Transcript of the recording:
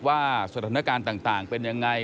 ว่าสถานการณ์ต่างเป็นยังไง